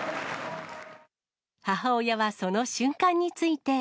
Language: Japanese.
母親はその瞬間について。